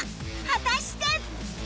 果たして